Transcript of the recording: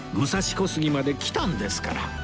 武蔵小杉まで来たんですから